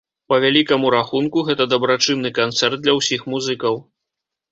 Па вялікаму рахунку, гэта дабрачынны канцэрт для ўсіх музыкаў.